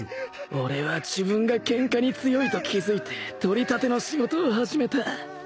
俺は自分がケンカに強いと気付いて取り立ての仕事を始めた